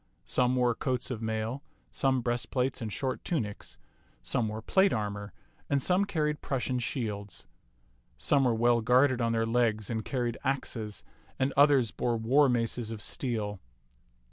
Some wore coats of mail, some breastplates and short tunics ; some wore plate armor, and some carried Prussian shields. Some were well guarded on their legs and carried axes, and others bore war maces of steel.